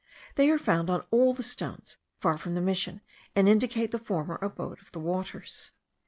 They are found on all the stones, far from the mission, and indicate the former abode of the waters.